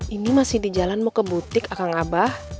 ini masih di jalan mau ke butik akan ngabah